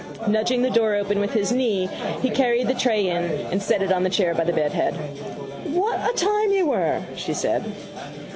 Nudging the door open with his knee he carried the tray in and set it on the chair by the bedhead. —What a time you were! she said.